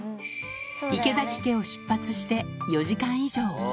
池崎家を出発して４時間以上。